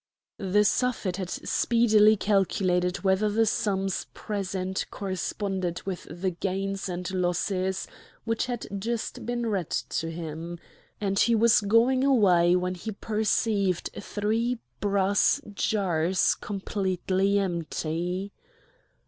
The Suffet had speedily calculated whether the sums present corresponded with the gains and losses which had just been read to him; and he was going away when he perceived three brass jars completely empty.